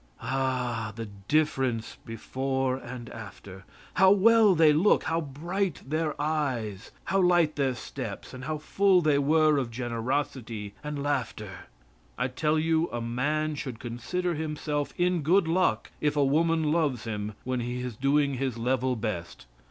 Ah! the difference before and after! How well they look! How bright their eyes! How light their steps, and how full they were of generosity and laughter! I tell you a man should consider himself in good luck if a woman loves him when he is doing his level best!